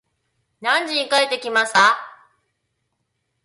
何時に帰ってきますか